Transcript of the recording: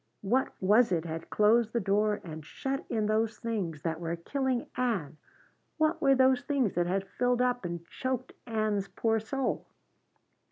What was it had closed the door and shut in those things that were killing Ann? What were those things that had filled up and choked Ann's poor soul?